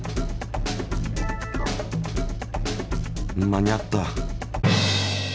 間に合った。